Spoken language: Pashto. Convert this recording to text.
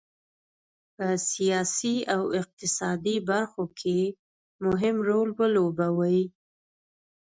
په سیاسي او اقتصادي برخو کې مهم رول ولوبوي.